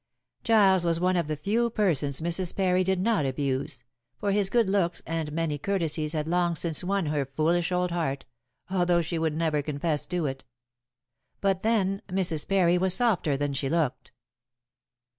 Giles was one of the few persons Mrs. Parry did not abuse, for his good looks and many courtesies had long since won her foolish old heart, although she would never confess to it. But then, Mrs. Parry was softer than she looked.